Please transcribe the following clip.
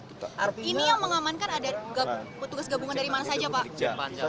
ini yang mengamankan ada petugas gabungan dari mana saja pak